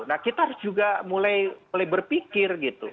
nah kita harus juga mulai berpikir gitu